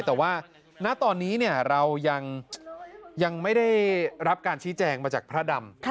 แต่ว่าณตอนนี้เรายังไม่ได้รับการชี้แจงมาจากพระดำ